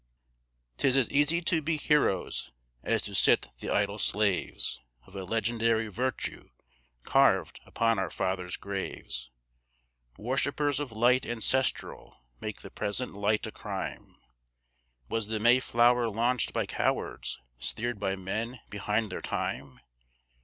'Tis as easy to be heroes as to sit the idle slaves Of a legendary virtue carved upon our fathers' graves, Worshippers of light ancestral make the present light a crime; Was the Mayflower launched by cowards, steered by men behind their time?